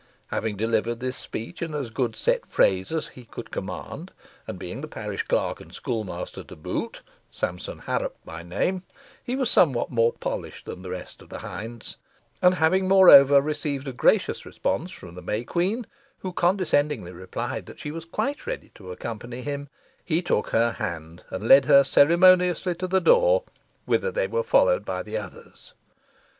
Having delivered this speech in as good set phrase as he could command, and being the parish clerk and schoolmaster to boot, Sampson Harrop by name, he was somewhat more polished than the rest of the hinds; and having, moreover, received a gracious response from the May Queen, who condescendingly replied that she was quite ready to accompany him, he took her hand, and led her ceremoniously to the door, whither they were followed by the others.